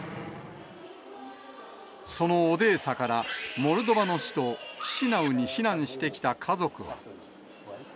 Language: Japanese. そのオデーサからモルドバの首都キシナウに避難してきた家族は。